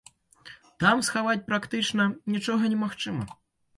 Там схаваць практычна нічога немагчыма.